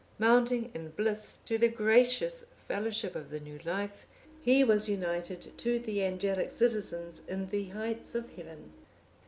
Mounting in bliss to the gracious fellowship of the new life, he was united to the angelic citizens in the heights of Heaven."